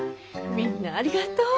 みんなありがとう。